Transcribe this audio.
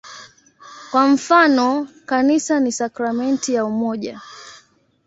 Kwa mfano, "Kanisa ni sakramenti ya umoja".